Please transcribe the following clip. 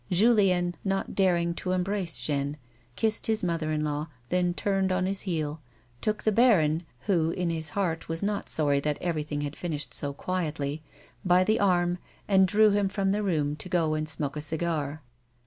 Julien, not daring to embrace Jeanne, kissed his mother in law, then turned on his heel, took the baron (who, in his heart, was not sorry that everything had finished so quietly) by the arm, and drew him from the room to go and smoke a cigar.